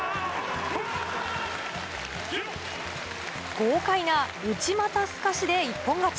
豪快な内股透かしで一本勝ち。